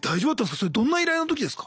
それどんな依頼の時ですか？